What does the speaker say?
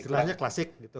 istilahnya klasik gitu